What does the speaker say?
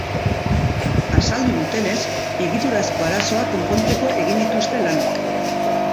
Azaldu dutenez, egiturazko arazoak konpontzeko egin dituzte lanak.